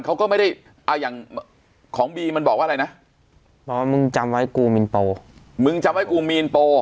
เขาก็ไม่ได้อ่าอย่างของบีมันบอกว่าอะไรนะบอกว่ามึงจำไว้กูมีนโป